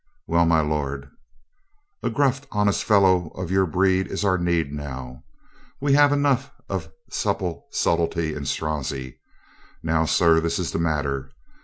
"Well, my lord." "A gruff, honest fellow of your breed is our need now. We have enough of supple subtlety in Strozzi. Now, sir, this is the matter.